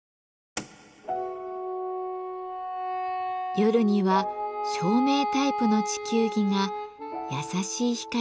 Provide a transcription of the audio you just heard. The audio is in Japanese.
夜には照明タイプの地球儀が優しい光で照らしてくれます。